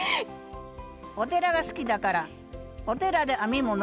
お寺が好きだからお寺で編み物？